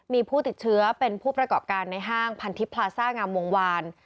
มีผู้ติดเชื้อเป็นผู้ประกอบการในห้างพันธิพลาซ่างามวงวาน